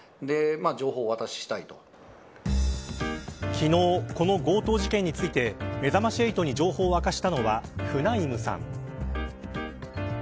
昨日、この強盗事件についてめざまし８に情報を明かしたのはフナイムさん。